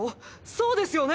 ⁉そうですよね